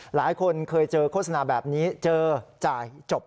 หลายคนเคยเจอโฆษณาแบบนี้เจอจ่ายจบ